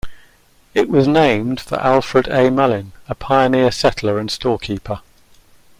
It was named for Alfred A. Mullin, a pioneer settler and storekeeper.